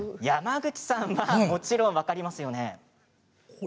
山口さんはもちろん分かりますよね？